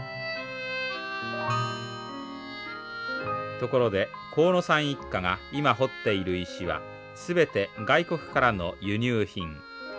ところで河野さん一家が今彫っている石は全て外国からの輸入品。